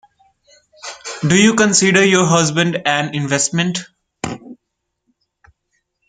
Do you consider your husband an investment?